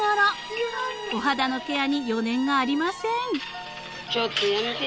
［お肌のケアに余念がありません］